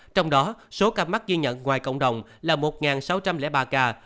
trong đó số ca mắc ghi nhận ngoài cộng đồng là một sáu trăm linh ba ca